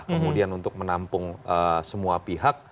kemudian untuk menampung semua pihak